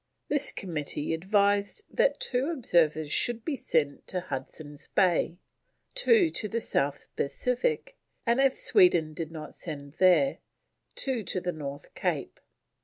This committee advised that two observers should be sent to Hudson's Bay, two to the South Pacific and, if Sweden did not send there, two to the North Cape.